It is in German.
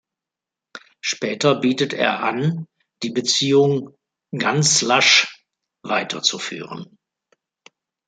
Später bietet er an, die Beziehung „ganz lasch“ weiterzuführen.